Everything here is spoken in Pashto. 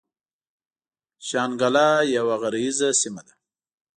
شانګله يوه غريزه سيمه ده ـ